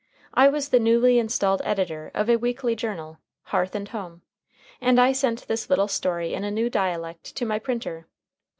I was the newly installed editor of a weekly journal, Hearth and Home, and I sent this little story in a new dialect to my printer.